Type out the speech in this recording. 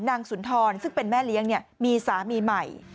สุนทรซึ่งเป็นแม่เลี้ยงมีสามีใหม่